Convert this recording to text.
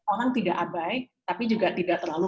orang tidak abai tapi juga tidak terlalu